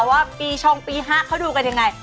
กันอะไง